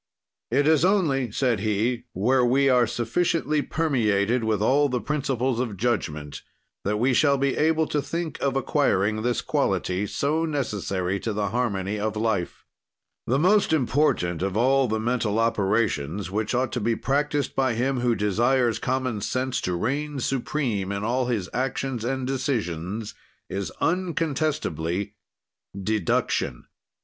"It is only," said he, "where we are sufficiently permeated with all the principles of judgment that we shall be able to think of acquiring this quality, so necessary to the harmony of life. "The most important of all the mental operations which ought to be practised by him who desires common sense to reign supreme in all his actions and decisions, is incontestably deduction.